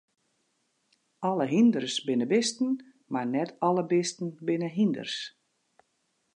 Alle hynders binne bisten, mar net alle bisten binne hynders.